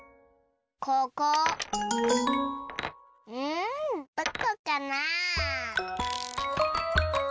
うんどこかな？